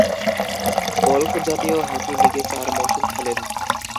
Wolf জাতীয় hockey লীগে চার মৌসুম খেলেন।